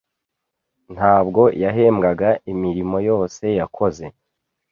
ntabwo yahembwaga imirimo yose yakoze.